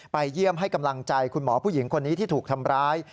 เยี่ยมให้กำลังใจคุณหมอผู้หญิงคนนี้ที่ถูกทำร้าย